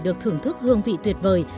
được thưởng thức hương vị tuyệt vời